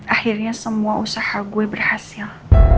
akhirnya semua usaha gue berhasil